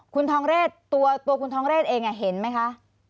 คุณทองเรศตัวคุณทองเรศเองเห็นไหมคะ